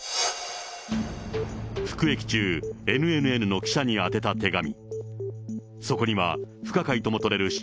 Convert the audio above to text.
服役中、ＮＮＮの記者に宛てた手紙。